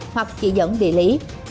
hoặc chỉ dẫn địa lý